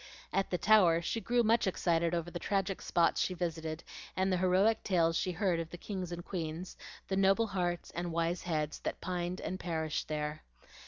At the Tower she grew much excited over the tragic spots she visited and the heroic tales she heard of the kings and queens, the noble hearts and wise heads, that pined and perished there.